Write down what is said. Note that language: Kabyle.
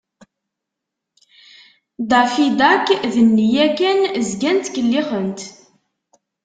Daffy Duck d nneyya kan, zgan ttkellixen-t.